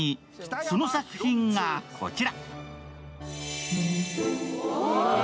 その作品がこちら。